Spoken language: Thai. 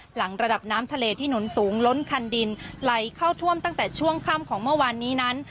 หลังระดับน้ำทะเลที่หนุนสูงล้นคันดินไหลเข้าท่วมตั้งแต่ช่วงค่ำของเมื่อวานนี้นั้น